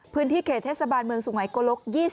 พื้นที่เขตเทศบาลเมืองสุงัยโกลก